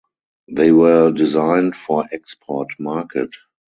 They were designed for export market.